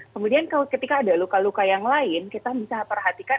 kemudian ketika ada luka luka yang lain kita bisa perhatikan